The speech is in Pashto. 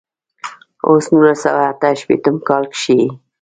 او نولس سوه اتۀ شپېتم کال کښې ئې